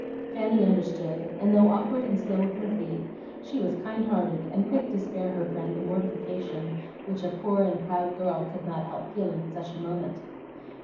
Fanny understood; and though awkward and slow with her feet, she was kind hearted and quick to spare her friend the mortification which a poor and proud girl could not help feeling at such a moment.